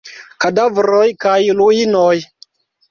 Kadavroj kaj ruinoj.